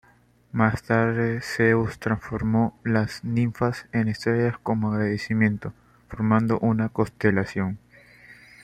Más tarde Zeus transformó las ninfas en estrellas como agradecimiento, formando una constelación.